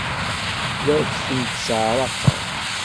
La ak-tent-sseɛraqeɣ?